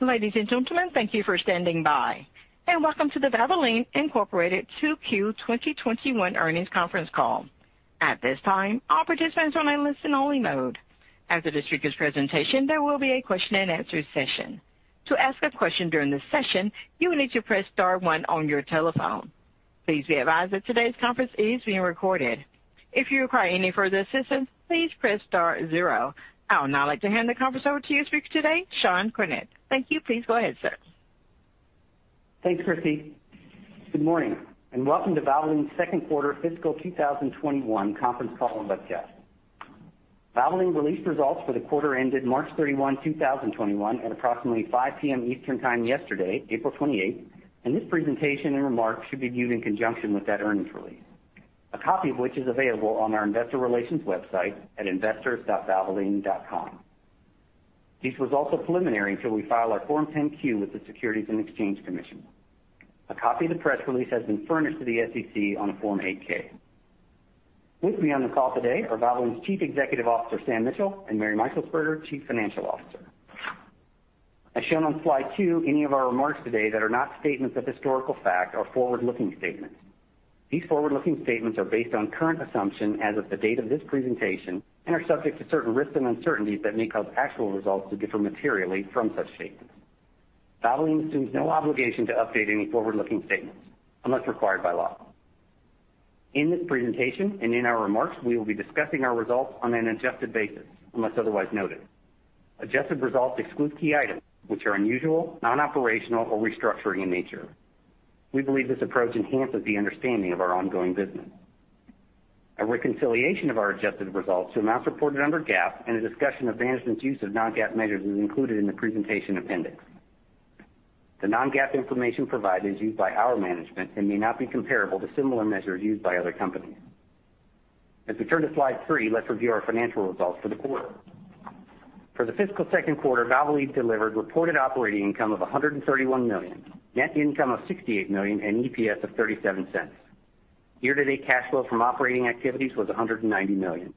Ladies and gentlemen, thank you for standing by, and welcome to the Valvoline Inc. 2Q 2021 Earnings Conference Call. At this time, all participants are on listen only mode. After the speaker's presentation, there will be a question and answer session. To ask a question during the session, you will need to press star one on your telephone. Please be advised that today's conference is being recorded. If you require any further assistance, please press star zero. I would now like to hand the conference over to you speaker today, Sean Cornett. Thank you. Please go ahead, sir. Thanks, Christy. Good morning, and welcome to Valvoline's second quarter fiscal 2021 conference call and webcast. Valvoline released results for the quarter ended March 31, 2021, at approximately 5:00 P.M. Eastern time yesterday, April 28th, and this presentation and remarks should be viewed in conjunction with that earnings release. A copy of which is available on our investor relations website at investors.valvoline.com. These results are preliminary until we file our Form 10-Q with the Securities and Exchange Commission. A copy of the press release has been furnished to the SEC on a Form 8-K. With me on the call today are Valvoline's Chief Executive Officer, Sam Mitchell, and Mary Meixelsperger, Chief Financial Officer. As shown on slide two, any of our remarks today that are not statements of historical fact are forward-looking statements. These forward-looking statements are based on current assumption as of the date of this presentation, and are subject to certain risks and uncertainties that may cause actual results to differ materially from such statements. Valvoline assumes no obligation to update any forward-looking statements unless required by law. In this presentation and in our remarks, we will be discussing our results on an adjusted basis, unless otherwise noted. Adjusted results exclude key items which are unusual, non-operational, or restructuring in nature. We believe this approach enhances the understanding of our ongoing business. A reconciliation of our adjusted results to amounts reported under GAAP and a discussion of management's use of non-GAAP measures is included in the presentation appendix. The non-GAAP information provided is used by our management and may not be comparable to similar measures used by other companies. As we turn to slide three, let's review our financial results for the quarter. For the fiscal second quarter, Valvoline delivered reported operating income of $131 million, net income of $68 million, and EPS of $0.37. Year-to-date cash flow from operating activities was $190 million.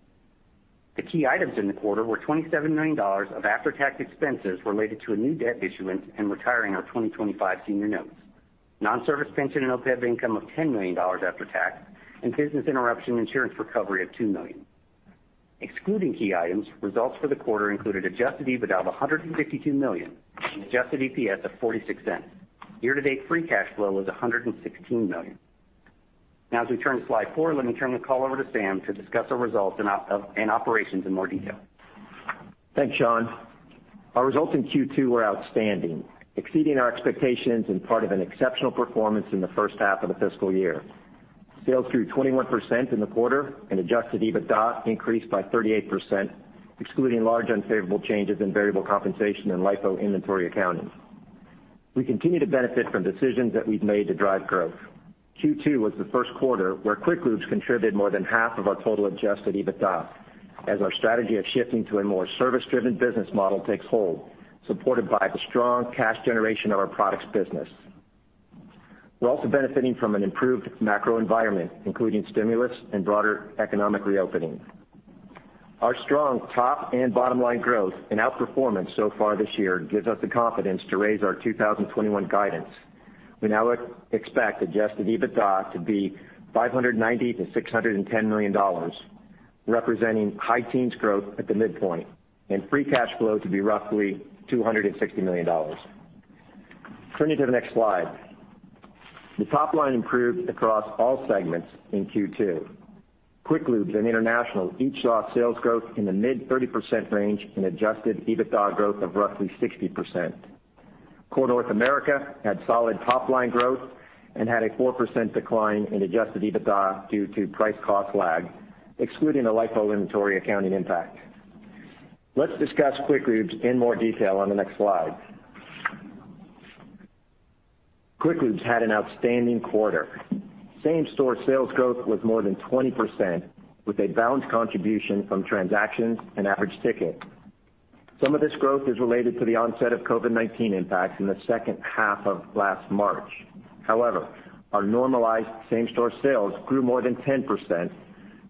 The key items in the quarter were $27 million of after-tax expenses related to a new debt issuance and retiring our 2025 senior notes, non-service pension and OPEB income of $10 million after tax, and business interruption insurance recovery of $2 million. Excluding key items, results for the quarter included adjusted EBITDA of $152 million and adjusted EPS of $0.46. Year-to-date, free cash flow was $116 million. As we turn to slide four, let me turn the call over to Sam to discuss our results and operations in more detail. Thanks, Sean. Our results in Q2 were outstanding, exceeding our expectations and part of an exceptional performance in the first half of the fiscal year. Sales grew 21% in the quarter, and adjusted EBITDA increased by 38%, excluding large unfavorable changes in variable compensation and LIFO inventory accounting. We continue to benefit from decisions that we've made to drive growth. Q2 was the first quarter where Quick Lubes contributed more than half of our total adjusted EBITDA, as our strategy of shifting to a more service driven business model takes hold, supported by the strong cash generation of our products business. We're also benefiting from an improved macro environment, including stimulus and broader economic reopening. Our strong top and bottom line growth and outperformance so far this year gives us the confidence to raise our 2021 guidance. We now expect adjusted EBITDA to be $590 million-$610 million, representing high teens growth at the midpoint, and free cash flow to be roughly $260 million. Turning to the next slide. The top line improved across all segments in Q2. Quick Lubes and International each saw sales growth in the mid-30% range and adjusted EBITDA growth of roughly 60%. Core North America had solid top-line growth and had a 4% decline in adjusted EBITDA due to price cost lag, excluding a LIFO inventory accounting impact. Let's discuss Quick Lubes in more detail on the next slide. Quick Lubes had an outstanding quarter. Same store sales growth was more than 20%, with a balanced contribution from transactions and average ticket. Some of this growth is related to the onset of COVID-19 impacts in the H2 of last March. However, our normalized same store sales grew more than 10%,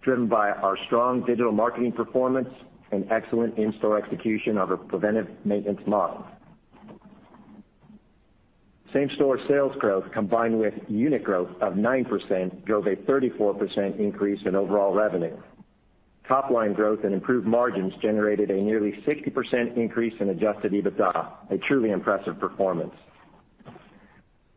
driven by our strong digital marketing performance and excellent in-store execution of a preventive maintenance model. Same store sales growth combined with unit growth of 9% drove a 34% increase in overall revenue. Top line growth and improved margins generated a nearly 60% increase in adjusted EBITDA, a truly impressive performance.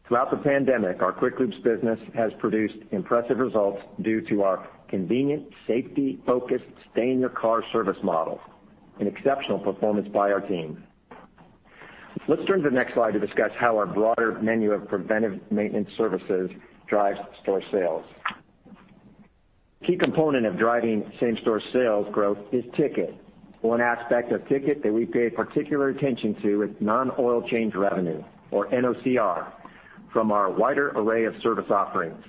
Throughout the pandemic, our Quick Lubes business has produced impressive results due to our convenient, safety focused stay in your car service model, an exceptional performance by our team. Let's turn to the next slide to discuss how our broader menu of preventive maintenance services drives store sales. Key component of driving same store sales growth is ticket. One aspect of ticket that we pay particular attention to is non-oil change revenue, or NOCR, from our wider array of service offerings.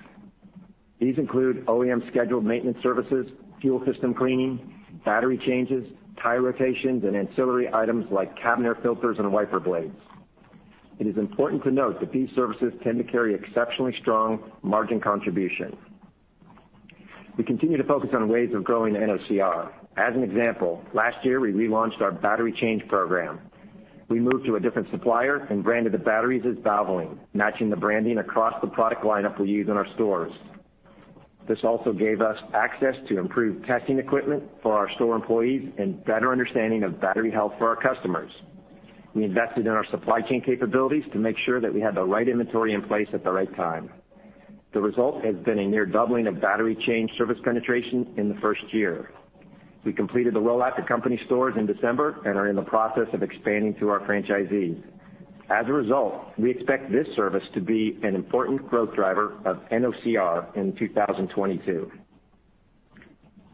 These include OEM scheduled maintenance services, fuel system cleaning, battery changes, tire rotations, and ancillary items like cabin air filters and wiper blades. It is important to note that these services tend to carry exceptionally strong margin contribution. We continue to focus on ways of growing NOCR. Last year, we relaunched our battery change program. We moved to a different supplier and branded the batteries as Valvoline, matching the branding across the product lineup we use in our stores. This also gave us access to improved testing equipment for our store employees and better understanding of battery health for our customers. We invested in our supply chain capabilities to make sure that we had the right inventory in place at the right time. The result has been a near doubling of battery change service penetration in the first year. We completed the rollout to company stores in December and are in the process of expanding to our franchisees. As a result, we expect this service to be an important growth driver of NOCR in 2022.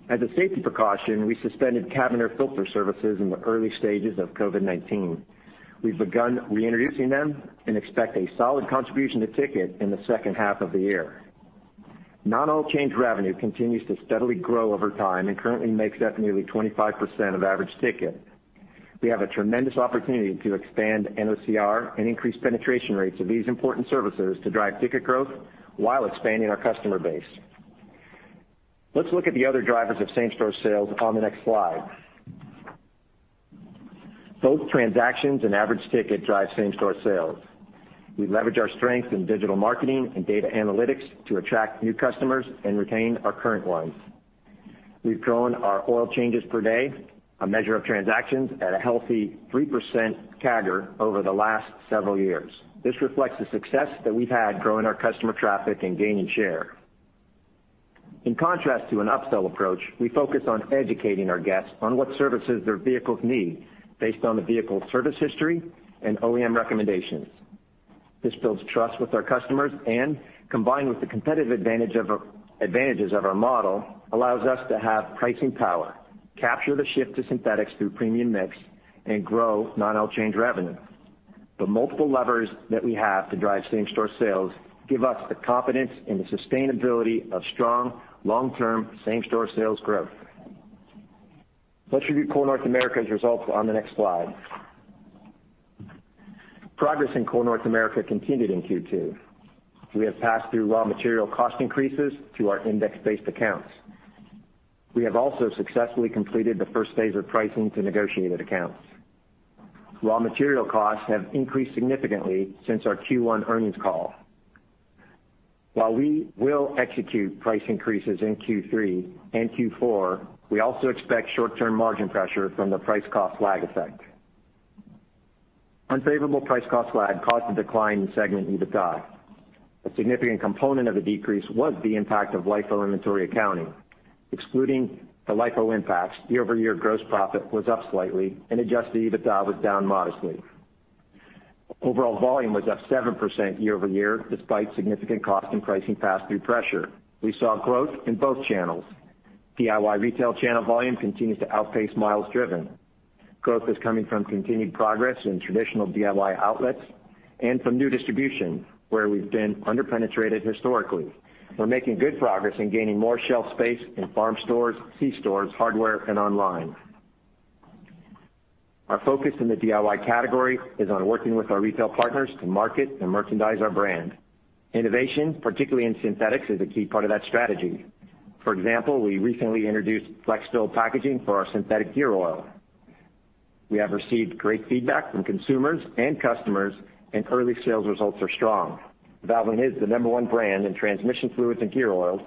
As a safety precaution, we suspended cabin air filter services in the early stages of COVID-19. We've begun reintroducing them and expect a solid contribution to ticket in the H2 of the year. Non-oil change revenue continues to steadily grow over time and currently makes up nearly 25% of average ticket. We have a tremendous opportunity to expand NOCR and increase penetration rates of these important services to drive ticket growth while expanding our customer base. Let's look at the other drivers of same-store sales on the next slide. Both transactions and average ticket drive same-store sales. We leverage our strength in digital marketing and data analytics to attract new customers and retain our current ones. We've grown our oil changes per day, a measure of transactions, at a healthy 3% CAGR over the last several years. This reflects the success that we've had growing our customer traffic and gaining share. In contrast to an upsell approach, we focus on educating our guests on what services their vehicles need based on the vehicle service history and OEM recommendations. This builds trust with our customers and, combined with the competitive advantages of our model, allows us to have pricing power, capture the shift to synthetics through premium mix, and grow non-oil change revenue. The multiple levers that we have to drive same-store sales give us the confidence and the sustainability of strong, long-term same-store sales growth. Let's review Core North America's results on the next slide. Progress in Core North America continued in Q2. We have passed through raw material cost increases to our index-based accounts. We have also successfully completed the first phase of pricing to negotiated accounts. Raw material costs have increased significantly since our Q1 earnings call. While we will execute price increases in Q3 and Q4, we also expect short-term margin pressure from the price cost lag effect. Unfavorable price cost lag caused a decline in segment EBITDA. A significant component of the decrease was the impact of LIFO inventory accounting. Excluding the LIFO impacts, year-over-year gross profit was up slightly, and adjusted EBITDA was down modestly. Overall volume was up 7% year-over-year despite significant cost and pricing pass-through pressure. We saw growth in both channels. DIY retail channel volume continues to outpace miles driven. Growth is coming from continued progress in traditional DIY outlets and from new distribution where we've been under-penetrated historically. We're making good progress in gaining more shelf space in farm stores, C stores, hardware, and online. Our focus in the DIY category is on working with our retail partners to market and merchandise our brand. Innovation, particularly in synthetics, is a key part of that strategy. For example, we recently introduced FlexFill packaging for our synthetic gear oil. We have received great feedback from consumers and customers, and early sales results are strong. Valvoline is the number one brand in transmission fluids and gear oils,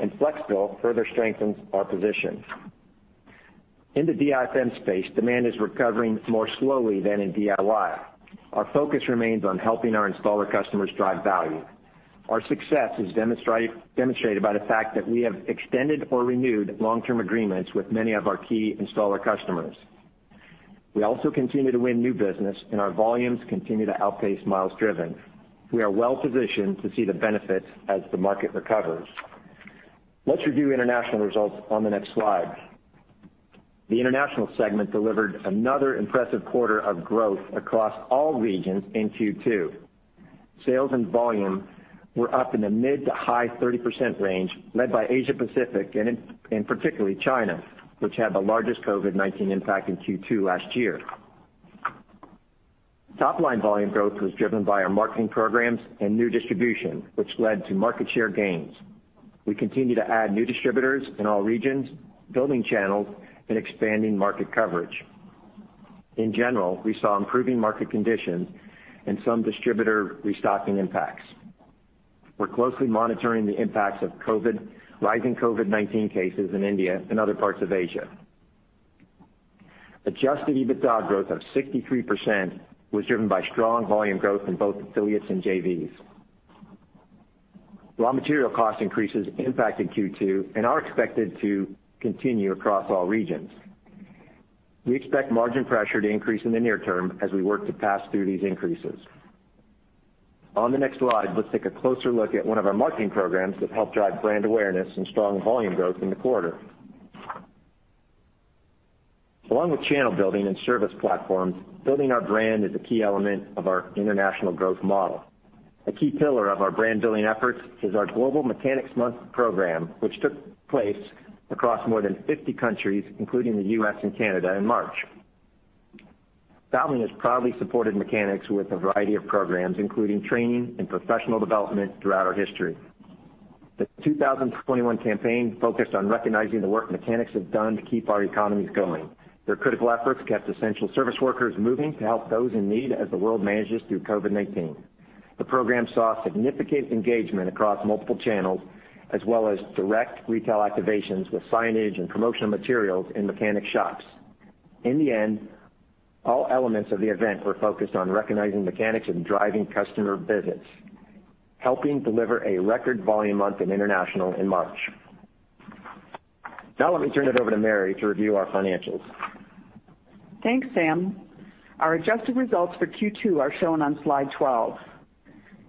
and FlexFill further strengthens our position. In the DIFM space, demand is recovering more slowly than in DIY. Our focus remains on helping our installer customers drive value. Our success is demonstrated by the fact that we have extended or renewed long-term agreements with many of our key installer customers. We also continue to win new business and our volumes continue to outpace miles driven. We are well positioned to see the benefits as the market recovers. Let's review international results on the next slide. The international segment delivered another impressive quarter of growth across all regions in Q2. Sales and volume were up in the mid to high 30% range, led by Asia Pacific and particularly China, which had the largest COVID-19 impact in Q2 last year. Top line volume growth was driven by our marketing programs and new distribution, which led to market share gains. We continue to add new distributors in all regions, building channels, and expanding market coverage. In general, we saw improving market conditions and some distributor restocking impacts. We're closely monitoring the impacts of rising COVID-19 cases in India and other parts of Asia. Adjusted EBITDA growth of 63% was driven by strong volume growth in both affiliates and JVs. Raw material cost increases impacted Q2 and are expected to continue across all regions. We expect margin pressure to increase in the near term as we work to pass through these increases. On the next slide, let's take a closer look at one of our marketing programs that helped drive brand awareness and strong volume growth in the quarter. Along with channel building and service platforms, building our brand is a key element of our international growth model. A key pillar of our brand building efforts is our global Mechanics' Month program, which took place across more than 50 countries, including the U.S. and Canada, in March. Valvoline has proudly supported mechanics with a variety of programs, including training and professional development throughout our history. The 2021 campaign focused on recognizing the work mechanics have done to keep our economies going. Their critical efforts kept essential service workers moving to help those in need as the world manages through COVID-19. The program saw significant engagement across multiple channels, as well as direct retail activations with signage and promotional materials in mechanic shops. In the end, all elements of the event were focused on recognizing mechanics and driving customer visits, helping deliver a record volume month in International in March. Let me turn it over to Mary to review our financials. Thanks, Sam. Our adjusted results for Q2 are shown on slide 12.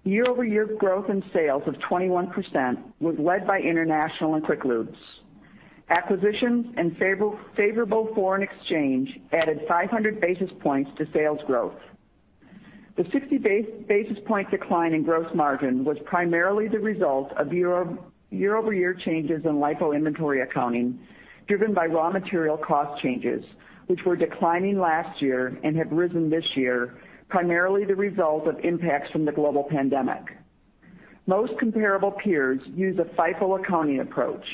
Year-over-year growth in sales of 21% was led by international and Quick Lubes. Acquisitions and favorable foreign exchange added 500 basis points to sales growth. The 60 basis point decline in gross margin was primarily the result of year-over-year changes in LIFO inventory accounting, driven by raw material cost changes, which were declining last year and have risen this year, primarily the result of impacts from the global pandemic. Most comparable peers use a FIFO accounting approach.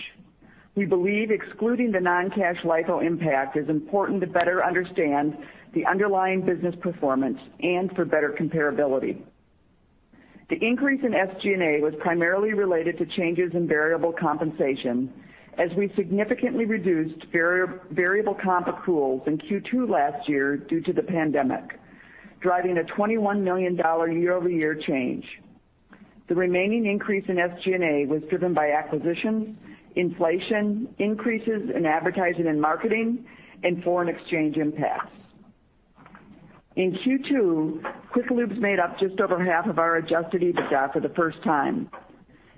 We believe excluding the non-cash LIFO impact is important to better understand the underlying business performance and for better comparability. The increase in SG&A was primarily related to changes in variable compensation as we significantly reduced variable comp accruals in Q2 last year due to the pandemic, driving a $21 million year-over-year change. The remaining increase in SG&A was driven by acquisitions, inflation, increases in advertising and marketing, and foreign exchange impacts. In Q2, Quick Lubes made up just over half of our adjusted EBITDA for the first time.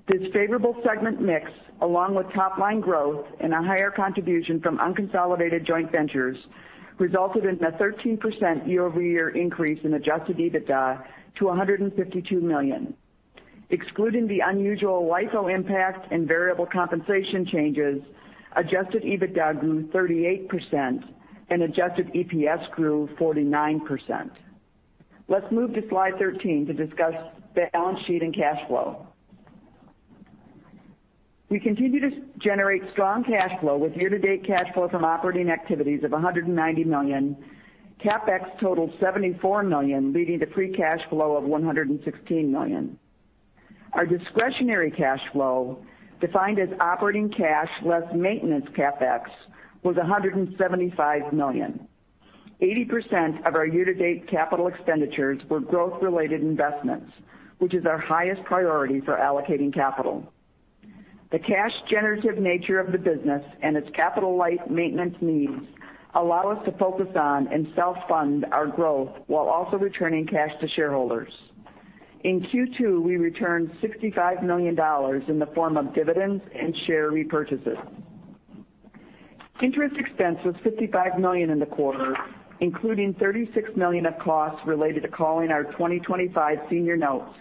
This favorable segment mix, along with top-line growth and a higher contribution from unconsolidated joint ventures, resulted in a 13% year-over-year increase in adjusted EBITDA to $152 million. Excluding the unusual LIFO impact and variable compensation changes, adjusted EBITDA grew 38% and adjusted EPS grew 49%. Let's move to slide 13 to discuss the balance sheet and cash flow. We continue to generate strong cash flow with year-to-date cash flow from operating activities of $190 million. CapEx totaled $74 million, leading to free cash flow of $116 million. Our discretionary cash flow, defined as operating cash less maintenance CapEx, was $175 million. 80% of our year-to-date capital expenditures were growth-related investments, which is our highest priority for allocating capital. The cash generative nature of the business and its capital light maintenance needs allow us to focus on and self-fund our growth while also returning cash to shareholders. In Q2, we returned $65 million in the form of dividends and share repurchases. Interest expense was $55 million in the quarter, including $36 million of costs related to calling our 2025 senior notes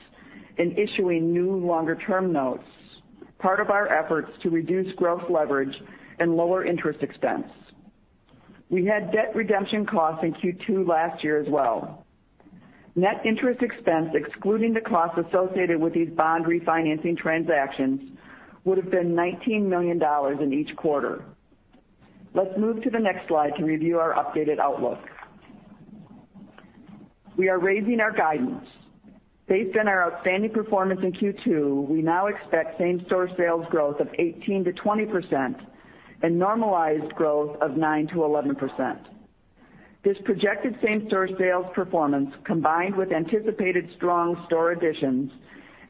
and issuing new longer-term notes, part of our efforts to reduce growth leverage and lower interest expense. We had debt redemption costs in Q2 last year as well. Net interest expense, excluding the cost associated with these bond refinancing transactions, would've been $19 million in each quarter. Let's move to the next slide to review our updated outlook. We are raising our guidance. Based on our outstanding performance in Q2, we now expect same-store sales growth of 18%-20% and normalized growth of 9%-11%. This projected same-store sales performance, combined with anticipated strong store additions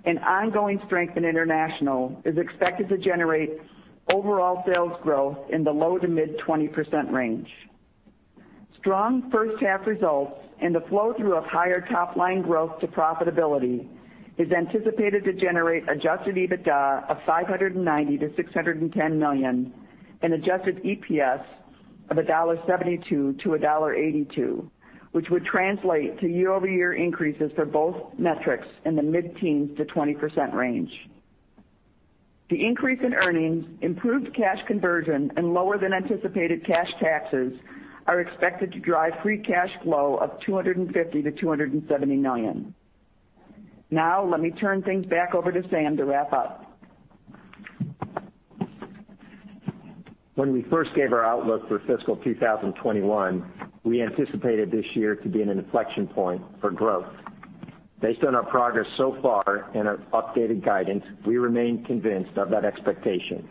and ongoing strength in international, is expected to generate overall sales growth in the low to mid-20% range. Strong H1 results and the flow-through of higher top-line growth to profitability is anticipated to generate adjusted EBITDA of $590 million-$610 million and adjusted EPS of $1.72-$1.82, which would translate to year-over-year increases for both metrics in the mid-teens to 20% range. The increase in earnings, improved cash conversion, and lower than anticipated cash taxes are expected to drive free cash flow of $250 million-$270 million. Now, let me turn things back over to Sam to wrap up. When we first gave our outlook for fiscal 2021, we anticipated this year to be an inflection point for growth. Based on our progress so far and our updated guidance, we remain convinced of that expectation.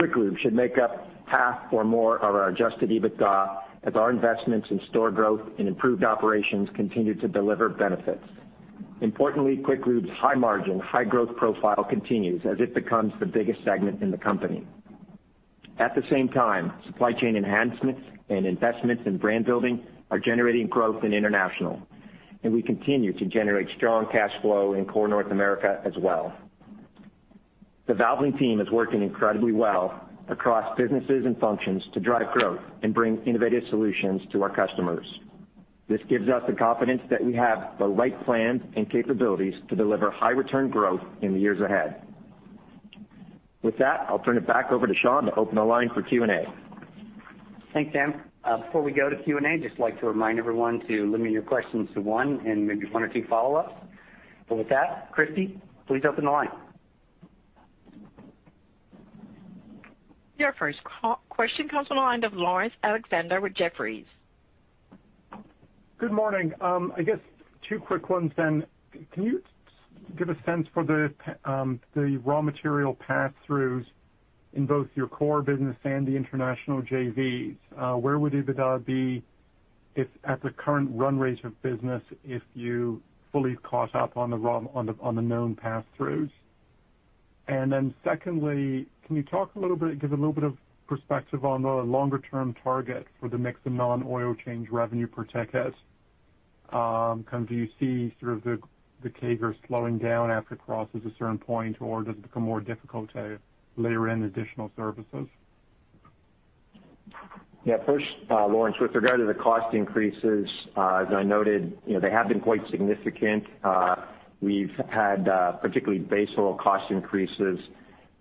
QuickLube should make up half or more of our adjusted EBITDA as our investments in store growth and improved operations continue to deliver benefits. Importantly, QuickLube's high margin, high growth profile continues as it becomes the biggest segment in the company. At the same time, supply chain enhancements and investments in brand building are generating growth in international, and we continue to generate strong cash flow in Core North America as well. The Valvoline team is working incredibly well across businesses and functions to drive growth and bring innovative solutions to our customers. This gives us the confidence that we have the right plans and capabilities to deliver high return growth in the years ahead. With that, I'll turn it back over to Sean to open the line for Q&A. Thanks, Sam. Before we go to Q&A, I'd just like to remind everyone to limit your questions to one and maybe one or two follow-ups. With that, Christy, please open the line. Your first question comes from the line of Laurence Alexander with Jefferies. Good morning. I guess two quick ones. Can you give a sense for the raw material pass-throughs in both your Core business and the international JVs? Where would EBITDA be if at the current run rate of business, if you fully caught up on the known pass-throughs? Secondly, can you talk a little bit, give a little bit of perspective on the longer-term target for the mix of non-oil change revenue per tech visit? Do you see sort of the CAGR slowing down after it crosses a certain point, or does it become more difficult to layer in additional services? Yeah. First, Laurence, with regard to the cost increases, as I noted, they have been quite significant. We've had particularly base oil cost increases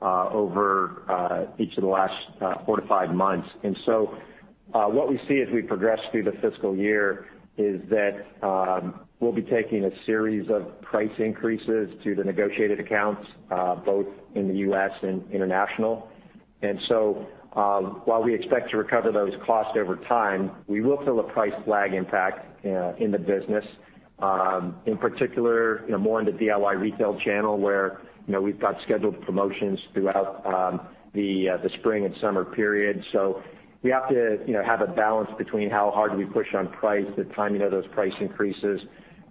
over each of the last four to five months. What we see as we progress through the fiscal year is that we'll be taking a series of price increases to the negotiated accounts both in the U.S. and international. While we expect to recover those costs over time, we will feel a price lag impact in the business, in particular, more in the DIY retail channel where we've got scheduled promotions throughout the spring and summer period. We have to have a balance between how hard do we push on price, the timing of those price increases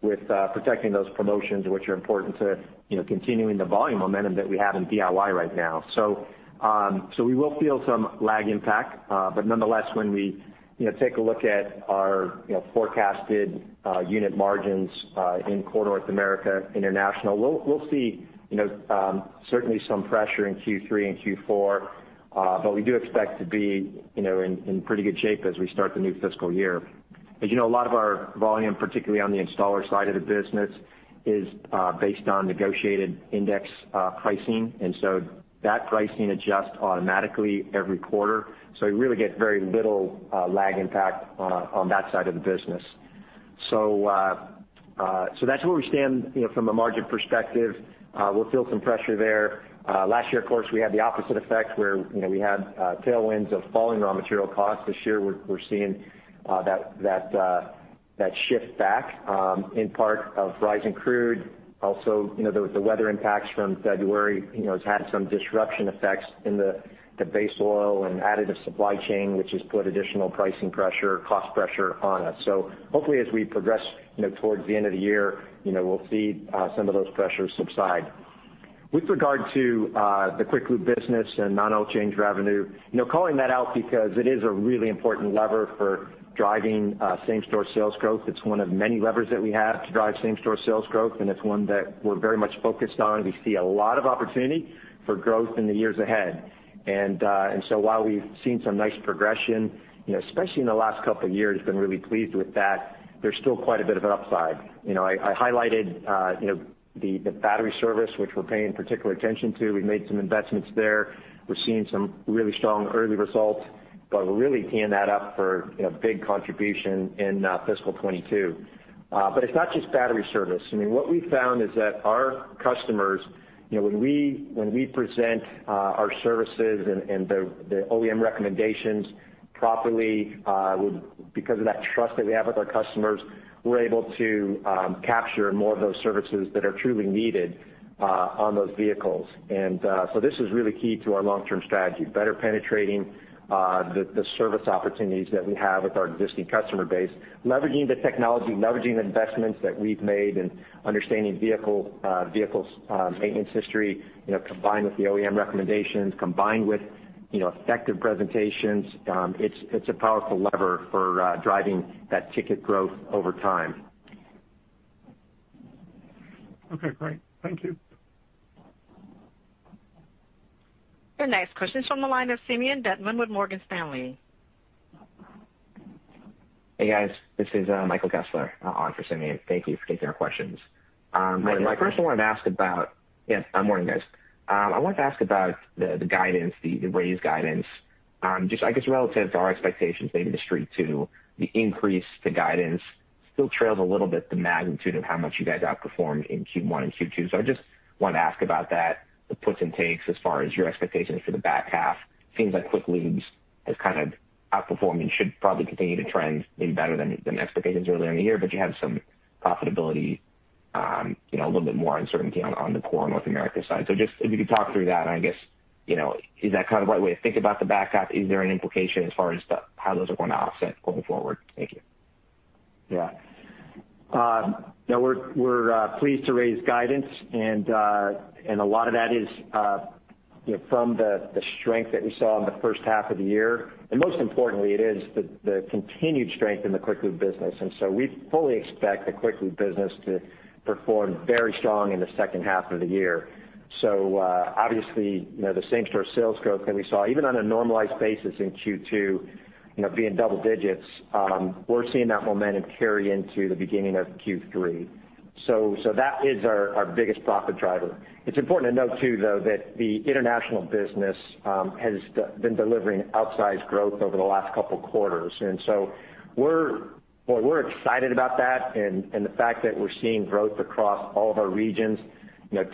with protecting those promotions, which are important to continuing the volume momentum that we have in DIY right now. We will feel some lag impact but nonetheless when we take a look at our forecasted unit margins in Core North America, international, we'll see certainly some pressure in Q3 and Q4, but we do expect to be in pretty good shape as we start the new fiscal year. As you know a lot of our volume, particularly on the installer side of the business, is based on negotiated index pricing and so that pricing adjusts automatically every quarter so we really get very little lag impact on that side of the business. That's where we stand from a margin perspective. We'll feel some pressure there. Last year, of course, we had the opposite effect where we had tailwinds of falling raw material costs. This year, we're seeing that shift back in part of rising crude. The weather impacts from February has had some disruption effects in the base oil and additive supply chain, which has put additional pricing pressure, cost pressure on us. Hopefully as we progress towards the end of the year, we'll see some of those pressures subside. With regard to the Quick Lubes business and non-oil change revenue, calling that out because it is a really important lever for driving same-store sales growth. It's one of many levers that we have to drive same-store sales growth, and it's one that we're very much focused on. We see a lot of opportunity for growth in the years ahead. While we've seen some nice progression, especially in the last couple of years, been really pleased with that, there's still quite a bit of an upside. I highlighted the battery service, which we're paying particular attention to. We've made some investments there. We're seeing some really strong early results, but we're really teeing that up for big contribution in fiscal 2022. It's not just battery service. What we've found is that our customers, when we present our services and the OEM recommendations properly, because of that trust that we have with our customers, we're able to capture more of those services that are truly needed on those vehicles. This is really key to our long-term strategy, better penetrating the service opportunities that we have with our existing customer base, leveraging the technology, leveraging investments that we've made in understanding vehicle's maintenance history, combined with the OEM recommendations, combined with effective presentations. It's a powerful lever for driving that ticket growth over time. Okay, great. Thank you. Your next question is from the line of Simeon Gutman with Morgan Stanley. Hey, guys. This is Michael Kessler on for Simeon. Thank you for taking our questions. Michael. I wanted to ask about, yeah, morning guys. I wanted to ask about the guidance, the raised guidance, just I guess relative to our expectations, maybe the Street too, the increase to guidance still trails a little bit the magnitude of how much you guys outperformed in Q1 and Q2. I just want to ask about that, the puts and takes as far as your expectations for the back half. Seems like Quick Lubes has kind of outperformed and should probably continue to trend maybe better than expectations earlier in the year, but you have some profitability, a little bit more uncertainty on the Core North America side. Just if you could talk through that and I guess, is that kind of right way to think about the back half? Is there an implication as far as how those are going to offset going forward? Thank you. We're pleased to raise guidance and a lot of that is from the strength that we saw in the H1 of the year. Most importantly, it is the continued strength in the Quick Lubes business. We fully expect the Quick Lubes business to perform very strong in the H2 of the year. Obviously, the same-store sales growth that we saw, even on a normalized basis in Q2 being double digits, we're seeing that momentum carry into the beginning of Q3. That is our biggest profit driver. It's important to note too, though, that the international business has been delivering outsized growth over the last couple of quarters. We're excited about that, and the fact that we're seeing growth across all of our regions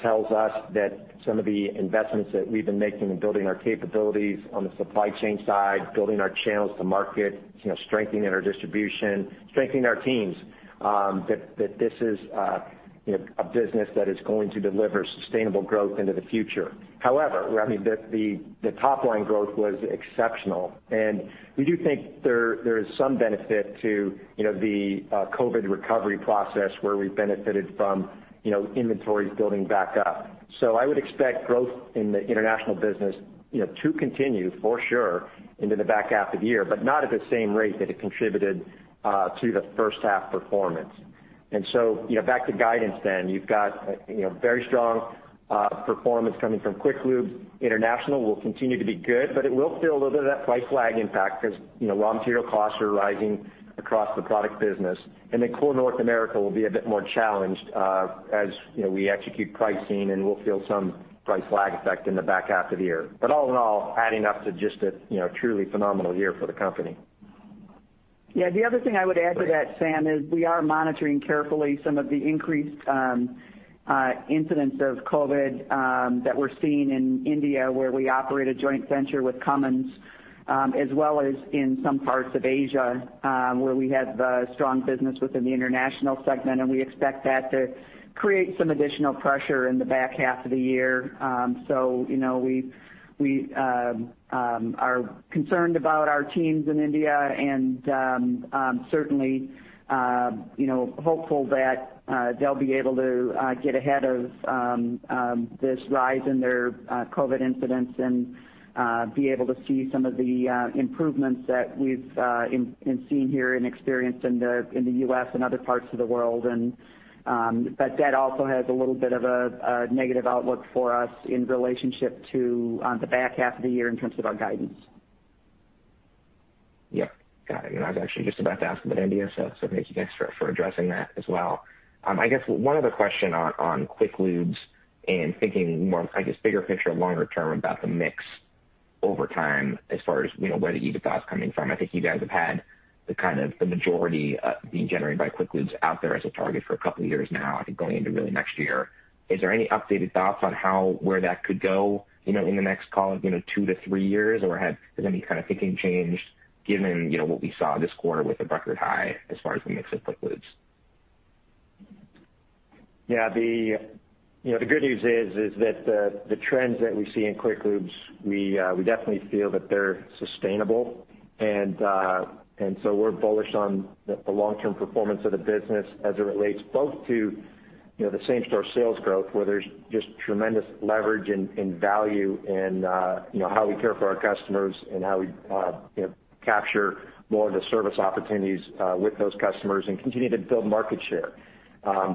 tells us that some of the investments that we've been making in building our capabilities on the supply chain side, building our channels to market, strengthening our distribution, strengthening our teams, that this is a business that is going to deliver sustainable growth into the future. However, the top line growth was exceptional, and we do think there is some benefit to the COVID-19 recovery process where we benefited from inventories building back up. I would expect growth in the international business to continue for sure into the back half of the year, but not at the same rate that it contributed to the H1 performance. Back to guidance then. You've got very strong performance coming from QuickLube. International will continue to be good, but it will feel a little bit of that price lag impact because raw material costs are rising across the product business. Core North America will be a bit more challenged as we execute pricing and we'll feel some price lag effect in the back half of the year. All in all, adding up to just a truly phenomenal year for the company. Yeah. The other thing I would add to that, Sam, is we are monitoring carefully some of the increased incidents of COVID that we're seeing in India where we operate a joint venture with Cummins, as well as in some parts of Asia, where we have a strong business within the International Segment, and we expect that to create some additional pressure in the back half of the year. We are concerned about our teams in India and, certainly, hopeful that they'll be able to get ahead of this rise in their COVID incidents and be able to see some of the improvements that we've been seeing here and experienced in the U.S. and other parts of the world. That also has a little bit of a negative outlook for us in relationship to the back half of the year in terms of our guidance. Yep. Got it. I was actually just about to ask about India. Thank you guys for addressing that as well. I guess one other question on Quick Lubes and thinking more, I guess, bigger picture, longer term about the mix over time as far as where the EBITDA is coming from. I think you guys have had the majority being generated by Quick Lubes out there as a target for a couple of years now, I think going into really next year. Is there any updated thoughts on where that could go in the next two to three years? Has any kind of thinking changed given what we saw this quarter with a record high as far as the mix of Quick Lubes? Yeah. The good news is that the trends that we see in Quick Lubes, we definitely feel that they're sustainable. So we're bullish on the long-term performance of the business as it relates both to the same-store sales growth, where there's just tremendous leverage and value in how we care for our customers and how we capture more of the service opportunities with those customers and continue to build market share.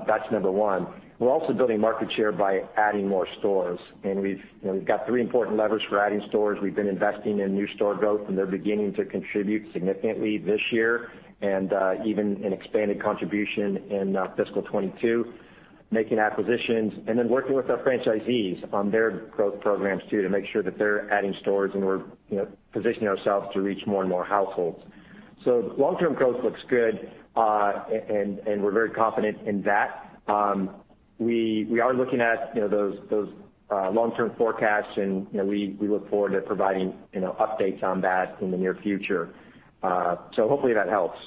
That's number one. We're also building market share by adding more stores, and we've got three important levers for adding stores. We've been investing in new store growth, and they're beginning to contribute significantly this year, and even an expanded contribution in fiscal 2022, making acquisitions, and then working with our franchisees on their growth programs too, to make sure that they're adding stores and we're positioning ourselves to reach more and more households. Long-term growth looks good, and we're very confident in that. We are looking at those long-term forecasts, and we look forward to providing updates on that in the near future. Hopefully that helps.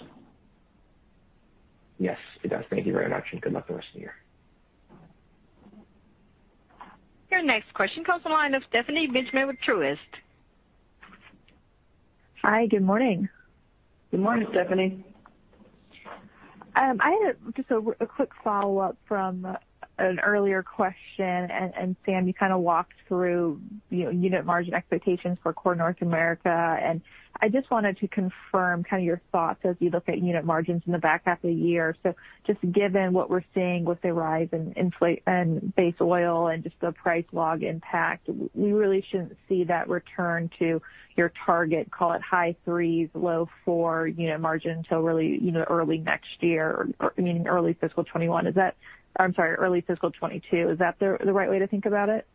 Yes, it does. Thank you very much, and good luck the rest of the year. Your next question comes from the line of Stephanie Benjamin with Truist. Hi, good morning. Good morning, Stephanie. I had just a quick follow-up from an earlier question, Sam, you kind of walked through unit margin expectations for Core North America, I just wanted to confirm your thoughts as you look at unit margins in the back half of the year. Just given what we're seeing with the rise in base oil and just the price lag impact, we really shouldn't see that return to your target, call it high threes, low four unit margin until really early next year, meaning early fiscal 2021. I'm sorry, early fiscal 2022. Is that the right way to think about it?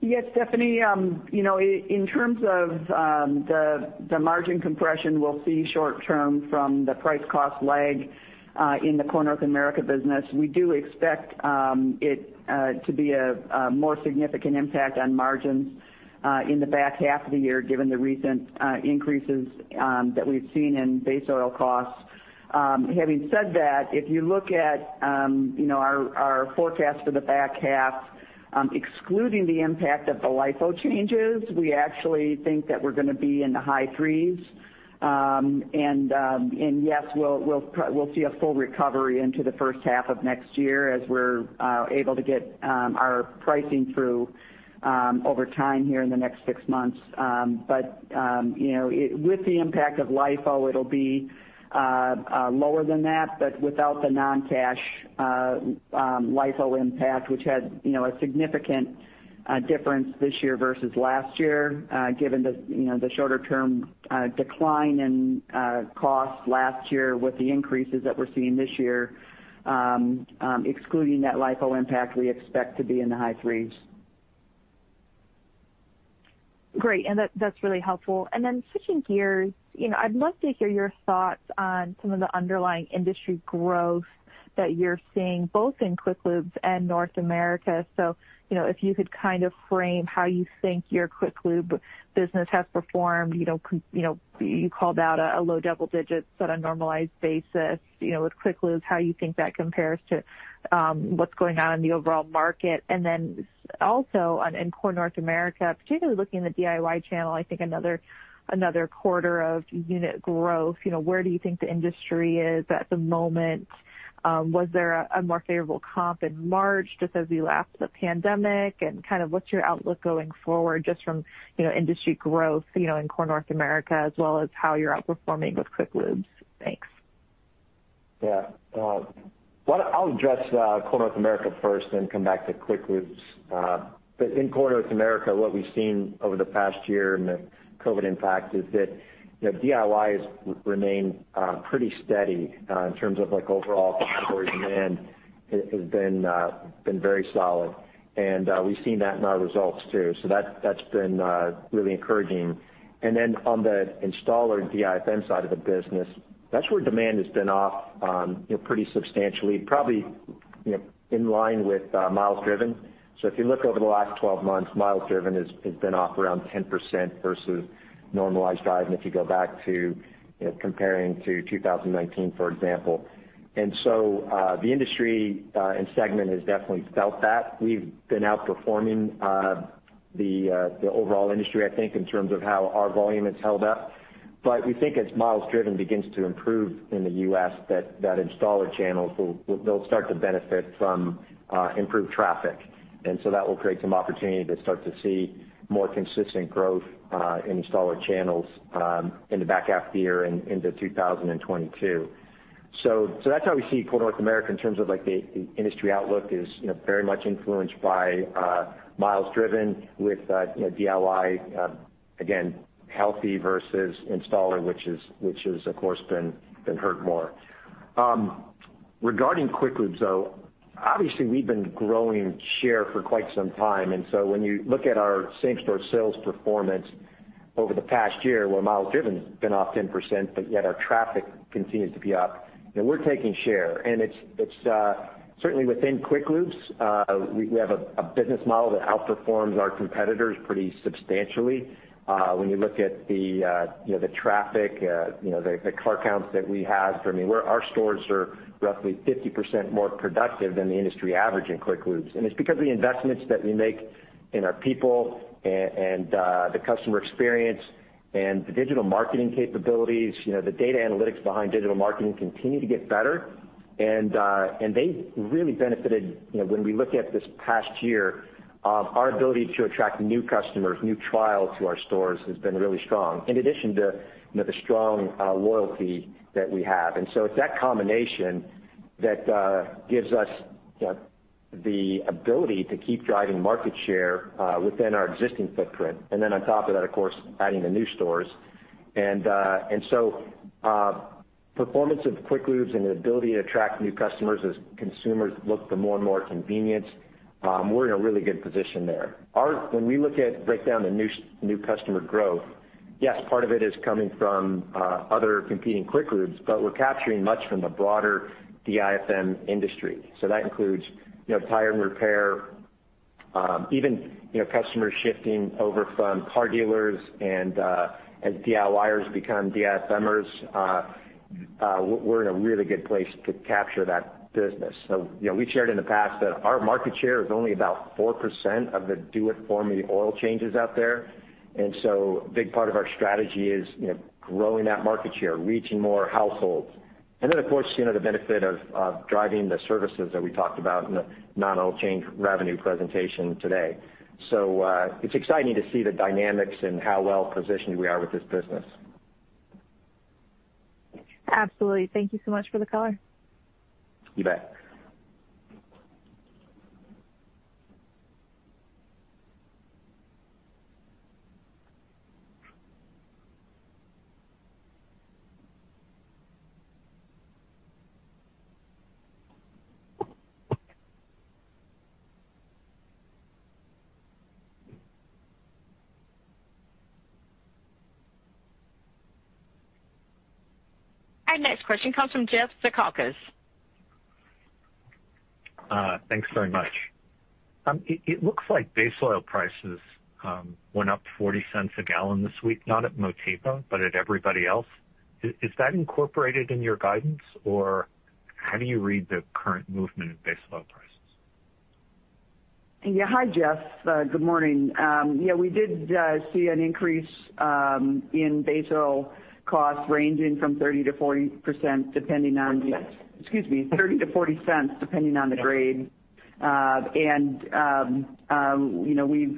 Yes, Stephanie. In terms of the margin compression we'll see short term from the price cost lag in the Core North America business, we do expect it to be a more significant impact on margins in the back half of the year, given the recent increases that we've seen in base oil costs. Having said that, if you look at our forecast for the back half, excluding the impact of the LIFO changes, we actually think that we're going to be in the high threes. Yes, we'll see a full recovery into the H1 of next year as we're able to get our pricing through over time here in the next six months. With the impact of LIFO, it'll be lower than that, but without the non-cash LIFO impact, which had a significant difference this year versus last year, given the shorter-term decline in costs last year with the increases that we're seeing this year, excluding that LIFO impact, we expect to be in the high threes. Great. That's really helpful. Then switching gears, I'd love to hear your thoughts on some of the underlying industry growth that you're seeing, both in Quick Lubes and North America. If you could kind of frame how you think your Quick Lube business has performed. You called out a low double-digits on a normalized basis with Quick Lubes, how you think that compares to what's going on in the overall market. Then also in Core North America, particularly looking at the DIY channel, I think another quarter of unit growth. Where do you think the industry is at the moment? Was there a more favorable comp in March just as we lapped the pandemic? What's your outlook going forward just from industry growth in Core North America as well as how you're outperforming with Quick Lubes? Thanks. Yeah. I'll address Core North America first, then come back to Quick Lubes. In Core North America, what we've seen over the past year and the COVID impact is that DIY has remained pretty steady in terms of overall category demand has been very solid. We've seen that in our results, too. That's been really encouraging. On the installer DIFM side of the business, that's where demand has been off pretty substantially, probably in line with miles driven. If you look over the last 12 months, miles driven has been off around 10% versus normalized drive. If you go back to comparing to 2019, for example. The industry and segment has definitely felt that. We've been outperforming the overall industry, I think, in terms of how our volume has held up. We think as miles driven begins to improve in the U.S, that installer channels will start to benefit from improved traffic. That will create some opportunity to start to see more consistent growth in installer channels in the back half of the year and into 2022. That's how we see Core North America in terms of the industry outlook is very much influenced by miles driven with DIY, again, healthy versus installer, which has, of course, been hurt more. Regarding Quick Lubes, though, obviously, we've been growing share for quite some time. When you look at our same-store sales performance over the past year, where miles driven has been off 10%, but yet our traffic continues to be up, we're taking share. It's certainly within Quick Lubes, we have a business model that outperforms our competitors pretty substantially. When you look at the traffic, the car counts that we have, I mean, our stores are roughly 50% more productive than the industry average in Quick Lubes. It's because of the investments that we make in our people and the customer experience and the digital marketing capabilities. The data analytics behind digital marketing continue to get better, and they really benefited when we look at this past year of our ability to attract new customers, new trials to our stores has been really strong, in addition to the strong loyalty that we have. It's that combination that gives us the ability to keep driving market share within our existing footprint. On top of that, of course, adding the new stores. Performance of Quick Lubes and the ability to attract new customers as consumers look for more and more convenience, we're in a really good position there. When we look at breakdown the new customer growth, yes, part of it is coming from other competing Quick Lubes, but we're capturing much from the broader DIFM industry. That includes tire and repair, even customers shifting over from car dealers and as DIYers become DIFMers, we're in a really good place to capture that business. We shared in the past that our market share is only about 4% of the do-it-for-me oil changes out there. A big part of our strategy is growing that market share, reaching more households. Of course, the benefit of driving the services that we talked about in the non-oil change revenue presentation today. It's exciting to see the dynamics and how well positioned we are with this business. Absolutely. Thank you so much for the color. You bet. Our next question comes from Jeffrey Zekauskas. Thanks very much. It looks like base oil prices went up $0.40 a gallon this week, not at Motiva, but at everybody else. Is that incorporated in your guidance, or how do you read the current movement in base oil prices? Yeah. Hi, Jeff. Good morning. Yeah, we did see an increase in base oil costs ranging from 30%-40% depending on. Excuse me, $0.30-$0.40, depending on the grade.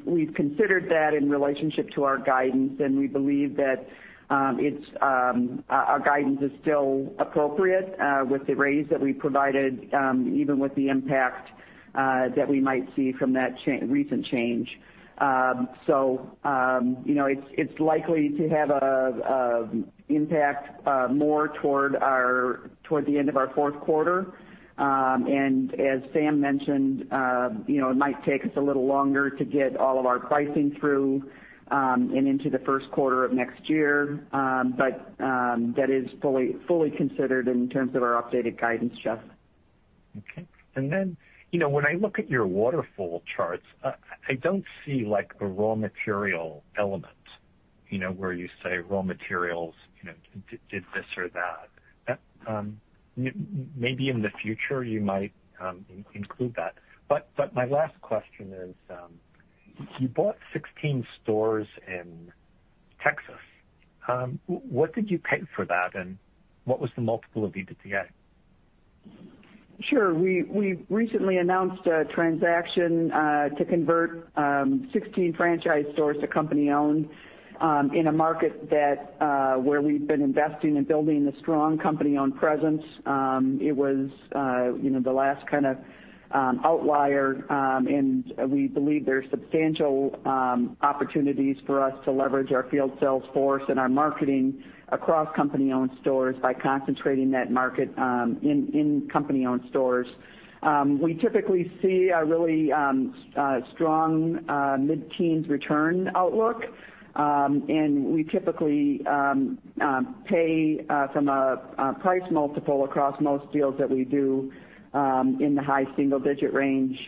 We've considered that in relationship to our guidance, and we believe that our guidance is still appropriate with the raise that we provided, even with the impact that we might see from that recent change. It's likely to have a impact more toward the end of our fourth quarter. As Sam mentioned, it might take us a little longer to get all of our pricing through and into the first quarter of next year. That is fully considered in terms of our updated guidance, Jeff. Okay. When I look at your waterfall charts, I don't see a raw material element, where you say raw materials did this or that. Maybe in the future you might include that. My last question is, you bought 16 stores in Texas. What did you pay for that, and what was the multiple of EBITDA? Sure. We recently announced a transaction to convert 16 franchise stores to company-owned in a market where we've been investing in building a strong company-owned presence. It was the last kind of outlier, and we believe there are substantial opportunities for us to leverage our field sales force and our marketing across company-owned stores by concentrating that market in company-owned stores. We typically see a really strong mid-teens return outlook, and we typically pay from a price multiple across most deals that we do in the high single-digit range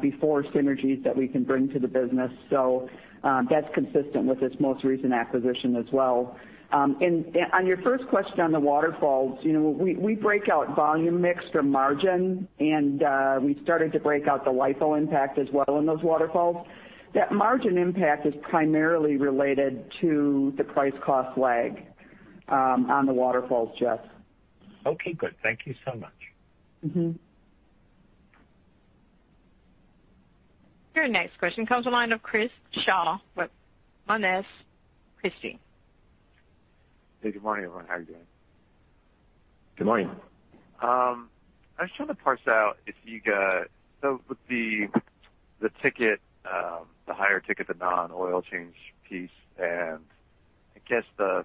before synergies that we can bring to the business. That's consistent with this most recent acquisition as well. On your first question on the waterfalls, we break out volume mix from margin, and we started to break out the LIFO impact as well in those waterfalls. That margin impact is primarily related to the price cost lag on the waterfalls, Jeff. Okay, good. Thank you so much. Your next question comes a line of Chris Shaw with Monness, Crespi. Hey, good morning, everyone. How you doing? Good morning. I was trying to parse out. With the higher ticket, the non-oil change piece, and I guess the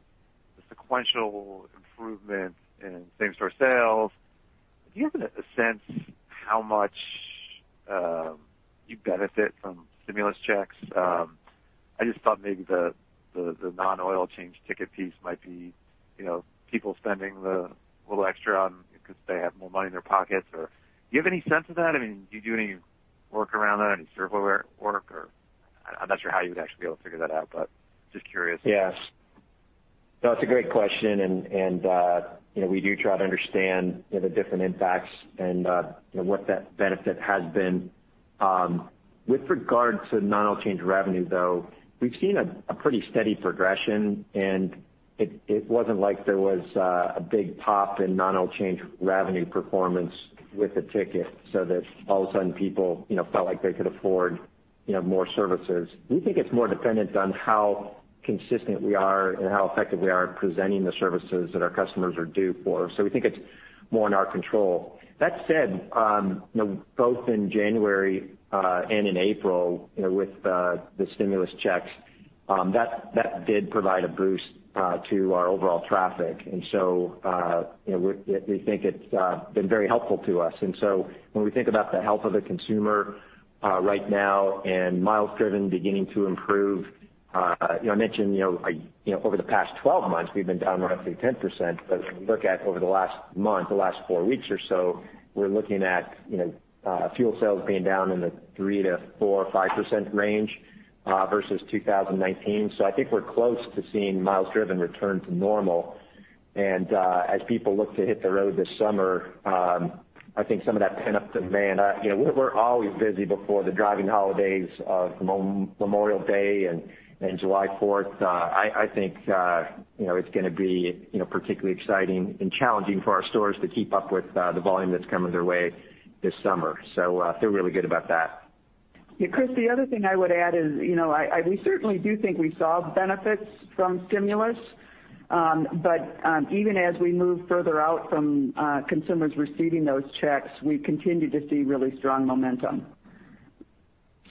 sequential improvement in same-store sales, do you have a sense how much you benefit from stimulus checks? I just thought maybe the non-oil change ticket piece might be people spending the little extra on because they have more money in their pockets or Do you have any sense of that? I mean, do you do any work around that, any survey work or I'm not sure how you would actually be able to figure that out, just curious. Yes. No, it's a great question, and we do try to understand the different impacts and what that benefit has been. With regard to non-oil change revenue, though, we've seen a pretty steady progression, and it wasn't like there was a big pop in non-oil change revenue performance with the ticket, so that all of a sudden people felt like they could afford more services. We think it's more dependent on how consistent we are and how effective we are at presenting the services that our customers are due for. We think it's more in our control. That said, both in January and in April with the stimulus checks, that did provide a boost to our overall traffic. We think it's been very helpful to us. When we think about the health of the consumer right now and miles driven beginning to improve, I mentioned over the past 12 months, we've been down roughly 10%, but if you look at over the last month, the last four weeks or so, we're looking at fuel sales being down in the 3%-4% or 5% range versus 2019. I think we're close to seeing miles driven return to normal. As people look to hit the road this summer, I think some of that pent-up demand, we're always busy before the driving holidays of Memorial Day and July 4th. I think it's going to be particularly exciting and challenging for our stores to keep up with the volume that's coming their way this summer. Feel really good about that. Yeah, Chris, the other thing I would add is, we certainly do think we saw benefits from stimulus, but even as we move further out from consumers receiving those checks, we continue to see really strong momentum.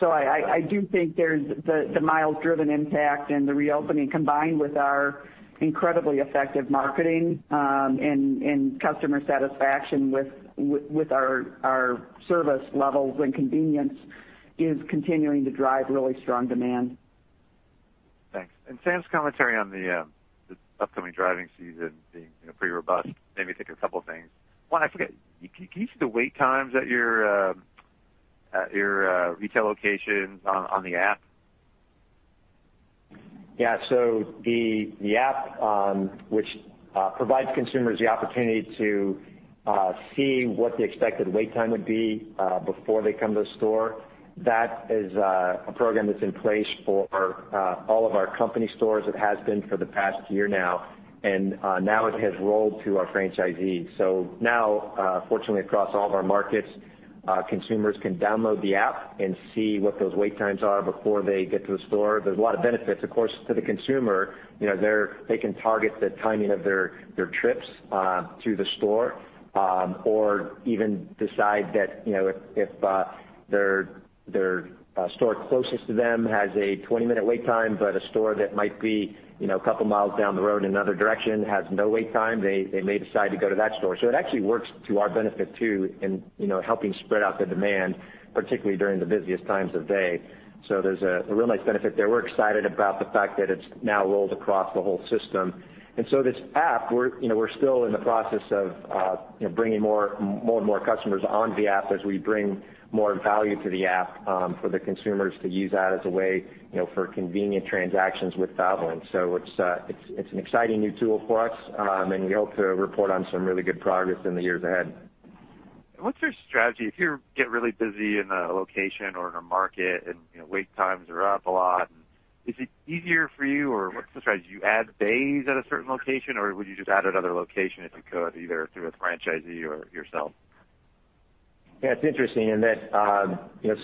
I do think there's the miles driven impact and the reopening combined with our incredibly effective marketing, and customer satisfaction with our service levels and convenience is continuing to drive really strong demand. Thanks. Sam's commentary on the upcoming driving season being pretty robust made me think of a couple of things. One, I forget, can you see the wait times at your retail locations on the app? Yeah. The app which provides consumers the opportunity to see what the expected wait time would be before they come to the store, that is a program that's in place for all of our company stores. It has been for the past year now, and now it has rolled to our franchisees. Now, fortunately, across all of our markets, consumers can download the app and see what those wait times are before they get to the store. There's a lot of benefits, of course, to the consumer. They can target the timing of their trips to the store or even decide that if their store closest to them has a 20-minute wait time, but a store that might be a couple of miles down the road in another direction has no wait time, they may decide to go to that store. It actually works to our benefit, too, in helping spread out the demand, particularly during the busiest times of day. There's a real nice benefit there. We're excited about the fact that it's now rolled across the whole system. This app, we're still in the process of bringing more and more customers onto the app as we bring more value to the app for the consumers to use that as a way for convenient transactions with Valvoline. It's an exciting new tool for us, and we hope to report on some really good progress in the years ahead. What's your strategy if you get really busy in a location or in a market and wait times are up a lot, is it easier for you, or what's the strategy? Do you add bays at a certain location, or would you just add another location if you could, either through a franchisee or yourself? Yeah, it's interesting in that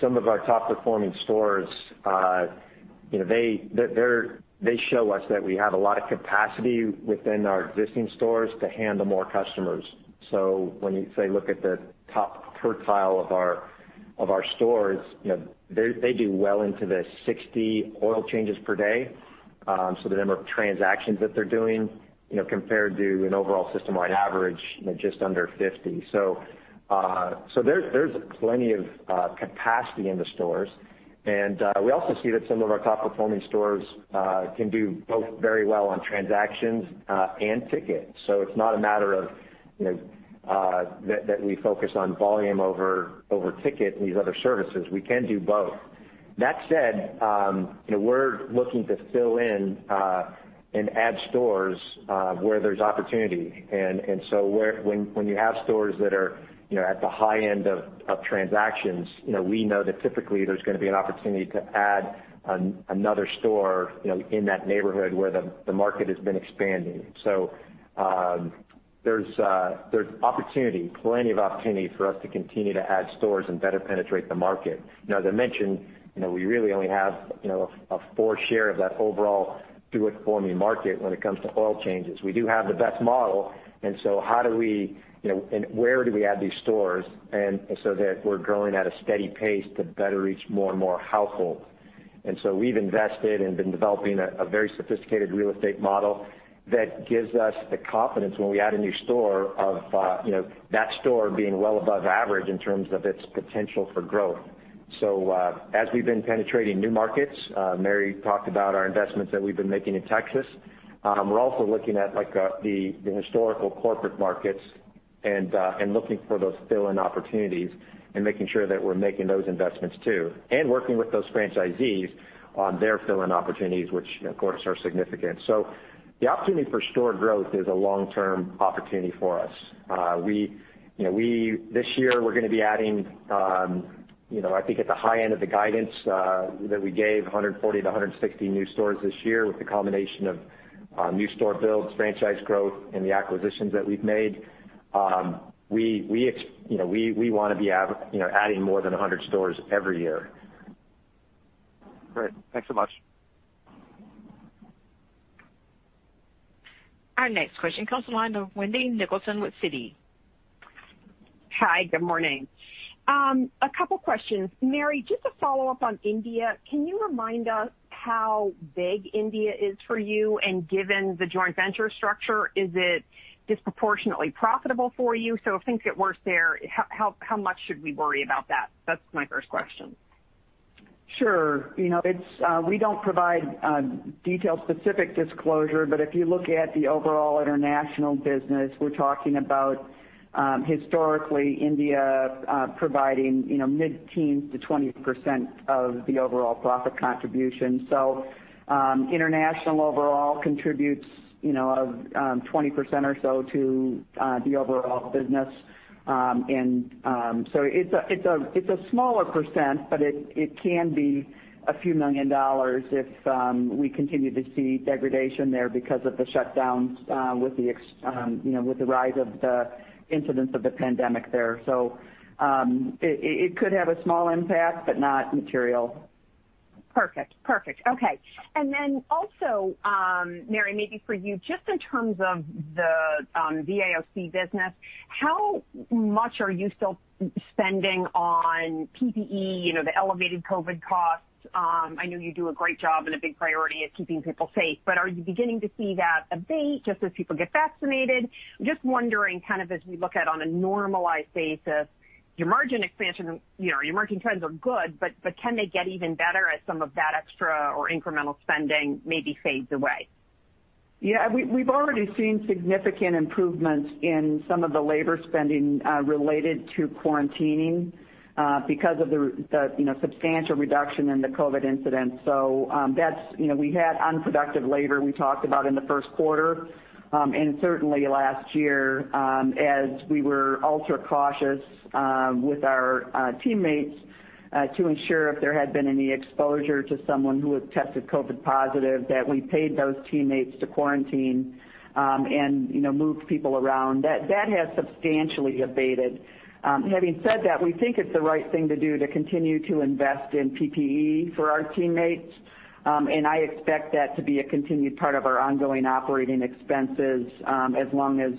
some of our top-performing stores show us that we have a lot of capacity within our existing stores to handle more customers. When you, say, look at the top quartile of our stores, they do well into the 60 oil changes per day. The number of transactions that they're doing compared to an overall system-wide average, just under 50. There's plenty of capacity in the stores. We also see that some of our top-performing stores can do both very well on transactions and tickets. It's not a matter that we focus on volume over ticket and these other services. We can do both. That said, we're looking to fill in and add stores where there's opportunity. When you have stores that are at the high end of transactions, we know that typically there's going to be an opportunity to add another store in that neighborhood where the market has been expanding. There's plenty of opportunity for us to continue to add stores and better penetrate the market. As I mentioned, we really only have a four share of that overall DIFM market when it comes to oil changes. We do have the best model, and so where do we add these stores, and so that we're growing at a steady pace to better reach more and more households. We've invested and been developing a very sophisticated real estate model that gives us the confidence when we add a new store of that store being well above average in terms of its potential for growth. As we've been penetrating new markets, Mary talked about our investments that we've been making in Texas. We're also looking at the historical corporate markets and looking for those fill-in opportunities and making sure that we're making those investments too, and working with those franchisees on their fill-in opportunities, which, of course, are significant. The opportunity for store growth is a long-term opportunity for us. This year, we're going to be adding I think at the high end of the guidance that we gave, 140-160 new stores this year with the combination of new store builds, franchise growth, and the acquisitions that we've made. We want to be adding more than 100 stores every year. Great. Thanks so much. Our next question comes on the line of Wendy Nicholson with Citi. Hi, good morning. A couple questions. Mary, just a follow-up on India. Can you remind us how big India is for you? Given the joint venture structure, is it disproportionately profitable for you? If things get worse there, how much should we worry about that? That's my first question. Sure. We don't provide detailed specific disclosure, but if you look at the overall international business, we're talking about historically India providing mid-teens to 20% of the overall profit contribution. International overall contributes 20% or so to the overall business. It's a smaller percent, but it can be a few million dollars if we continue to see degradation there because of the shutdowns with the rise of the incidence of the pandemic there. It could have a small impact, but not material. Perfect. Okay. Also, Mary, maybe for you, just in terms of the VIOC business, how much are you still spending on PPE, the elevated COVID costs? I know you do a great job, and a big priority is keeping people safe, but are you beginning to see that abate just as people get vaccinated? Just wondering as we look at on a normalized basis, your margin expansion, your emerging trends are good, but can they get even better as some of that extra or incremental spending maybe fades away? Yeah, we've already seen significant improvements in some of the labor spending related to quarantining because of the substantial reduction in the COVID incidents. We had unproductive labor we talked about in the first quarter, and certainly last year, as we were ultra-cautious with our teammates to ensure if there had been any exposure to someone who had tested COVID positive, that we paid those teammates to quarantine and move people around. That has substantially abated. Having said that, we think it's the right thing to do to continue to invest in PPE for our teammates, and I expect that to be a continued part of our ongoing operating expenses as long as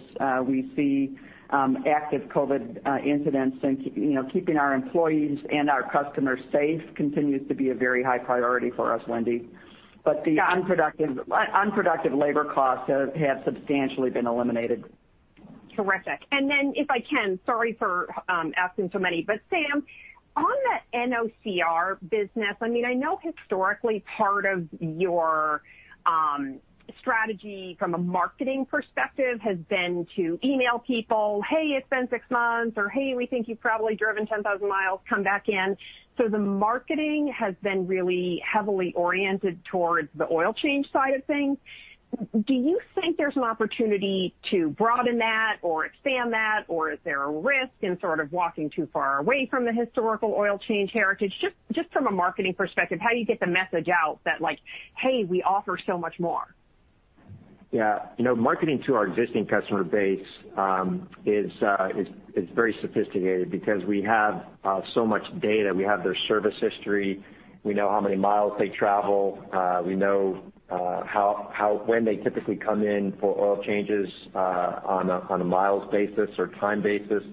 we see active COVID incidents. Keeping our employees and our customers safe continues to be a very high priority for us, Wendy. The unproductive labor costs have substantially been eliminated. Terrific. Then, if I can, sorry for asking so many, but Sam, on the NOCR business, I know historically part of your strategy from a marketing perspective has been to email people, "Hey, it's been six months," or, "Hey, we think you've probably driven 10,000 miles. Come back in." So the marketing has been really heavily oriented towards the oil change side of things. Do you think there's an opportunity to broaden that or expand that, or is there a risk in sort of walking too far away from the historical oil change heritage? Just from a marketing perspective, how do you get the message out that, like, "Hey, we offer so much more? Yeah. Marketing to our existing customer base is very sophisticated because we have so much data. We have their service history. We know how many miles they travel. We know when they typically come in for oil changes on a miles basis or time basis.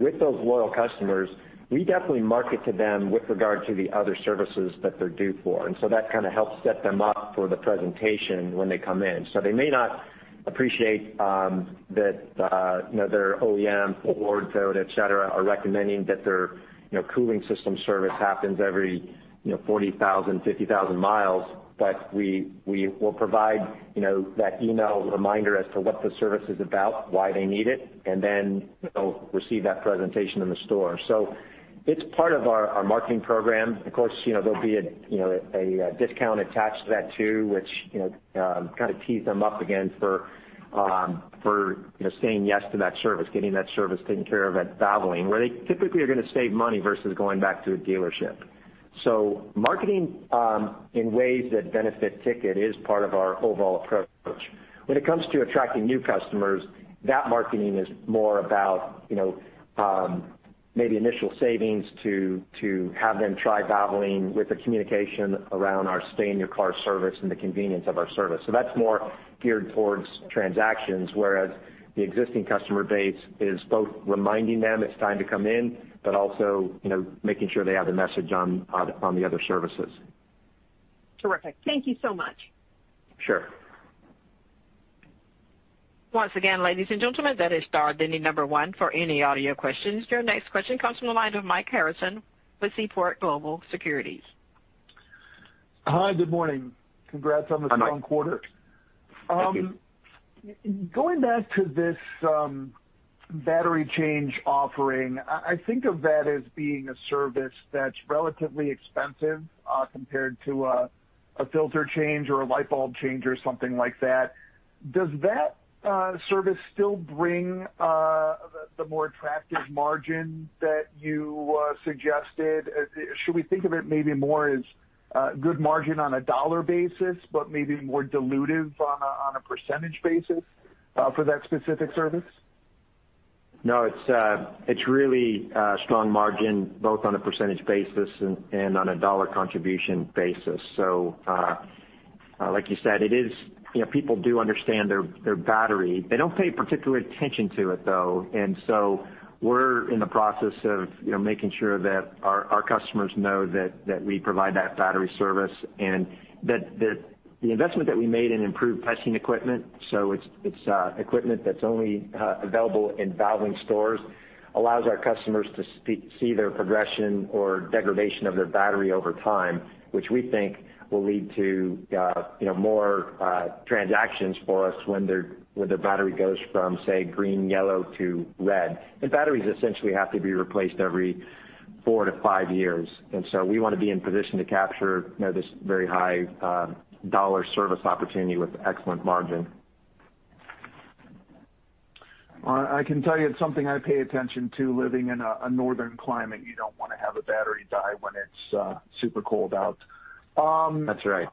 With those loyal customers, we definitely market to them with regard to the other services that they're due for. That kind of helps set them up for the presentation when they come in. They may not appreciate that their OEM or Ford, Toyota, et cetera, are recommending that their cooling system service happens every 40,000 mi, 50,000 mi, but we will provide that email reminder as to what the service is about, why they need it, and then they'll receive that presentation in the store. It's part of our marketing program. Of course, there'll be a discount attached to that, too, which kind of tees them up again for saying yes to that service, getting that service taken care of at Valvoline, where they typically are going to save money versus going back to a dealership. Marketing in ways that benefit Ticket is part of our overall approach. When it comes to attracting new customers, that marketing is more about maybe initial savings to have them try Valvoline with the communication around our stay-in-your-car service and the convenience of our service. That's more geared towards transactions, whereas the existing customer base is both reminding them it's time to come in, but also making sure they have the message on the other services. Terrific. Thank you so much. Sure. Once again, ladies and gentlemen, that is star then the number one for any audio questions. Your next question comes from the line of Michael Harrison with Seaport Global Securities. Partners. Hi, good morning. Congrats on the strong quarter. Hi, Mike. Thank you. Going back to this battery change offering, I think of that as being a service that's relatively expensive compared to a filter change or a light bulb change or something like that. Does that service still bring the more attractive margin that you suggested? Should we think of it maybe more as a good margin on a dollar basis, but maybe more dilutive on a percentage basis for that specific service? It's really a strong margin, both on a percentage basis and on a dollar contribution basis. Like you said, people do understand their battery. They don't pay particular attention to it, though. We're in the process of making sure that our customers know that we provide that battery service and that the investment that we made in improved testing equipment, it's equipment that's only available in Valvoline stores, allows our customers to see their progression or degradation of their battery over time, which we think will lead to more transactions for us when their battery goes from, say, green, yellow to red. Batteries essentially have to be replaced every four to five years. We want to be in position to capture this very high $ service opportunity with excellent margin. I can tell you it's something I pay attention to living in a northern climate. You don't want to have a battery die when it's super cold out. That's right.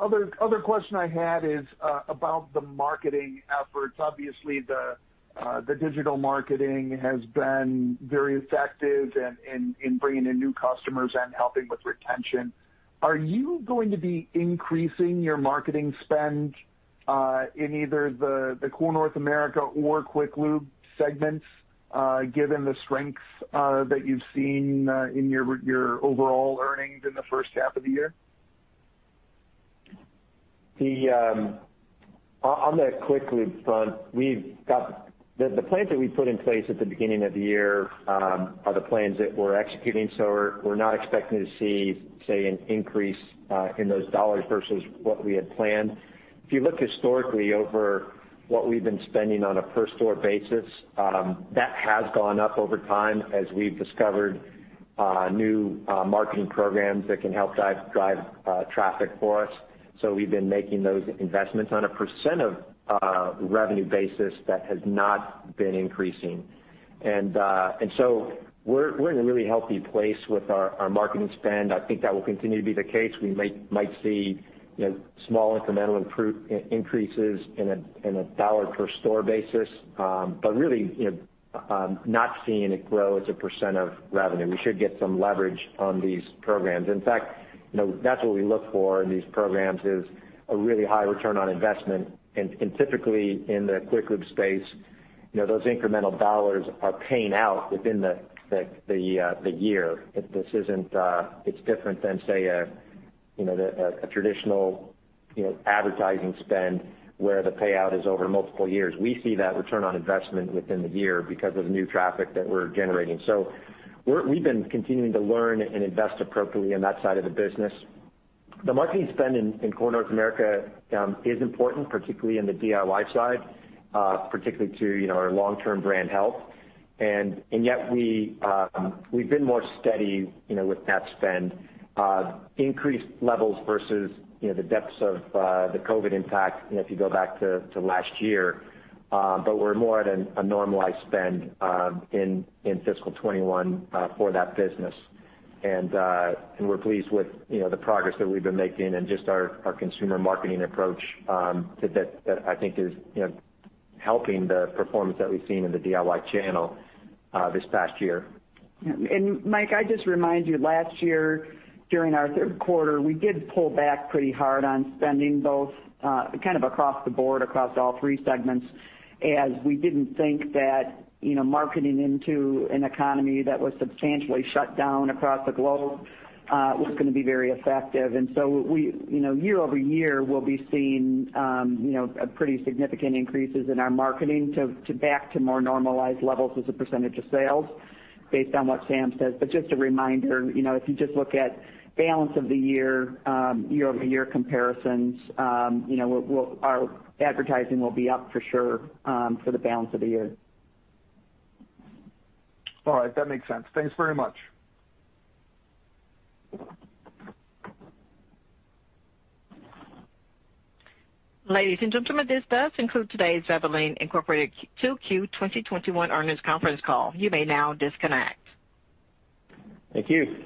Other question I had is about the marketing efforts. Obviously, the digital marketing has been very effective in bringing in new customers and helping with retention. Are you going to be increasing your marketing spend in either the Core North America or Quick Lube segments, given the strengths that you've seen in your overall earnings in the first half of the year? On the Quick Lubes front, the plans that we put in place at the beginning of the year are the plans that we're executing, so we're not expecting to see, say, an increase in those dollars versus what we had planned. If you look historically over what we've been spending on a per store basis, that has gone up over time as we've discovered new marketing programs that can help drive traffic for us. We've been making those investments. On a % of revenue basis, that has not been increasing. We're in a really healthy place with our marketing spend. I think that will continue to be the case. We might see small incremental increases in a dollar per store basis. Really, not seeing it grow as a % of revenue. We should get some leverage on these programs. In fact, that's what we look for in these programs, is a really high return on investment. Typically, in the Quick Lubes space, those incremental dollars are paying out within the year. It's different than, say, a traditional advertising spend where the payout is over multiple years. We see that return on investment within the year because of the new traffic that we're generating. We've been continuing to learn and invest appropriately in that side of the business. The marketing spend in Core North America is important, particularly in the DIY side, particularly to our long-term brand health. Yet we've been more steady with that spend. Increased levels versus the depths of the COVID impact, if you go back to last year. We're more at a normalized spend in fiscal 2021 for that business. We're pleased with the progress that we've been making and just our consumer marketing approach that I think is helping the performance that we've seen in the DIY channel this past year. Mike, I'd just remind you, last year during our third quarter, we did pull back pretty hard on spending, both kind of across the board, across all three segments, as we didn't think that marketing into an economy that was substantially shut down across the globe was going to be very effective. Year-over-year, we'll be seeing pretty significant increases in our marketing back to more normalized levels as a percentage of sales based on what Sam says. Just a reminder, if you just look at balance of the year-over-year comparisons our advertising will be up for sure for the balance of the year. All right. That makes sense. Thanks very much. Ladies and gentlemen, this does conclude today's Valvoline Inc. 2Q 2021 earnings conference call. You may now disconnect. Thank you.